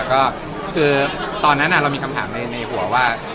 ก็คือตอนนั้นเรามีคำถามในหัวว่า